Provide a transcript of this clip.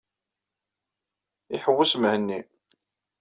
Iḥewwes Mhenni.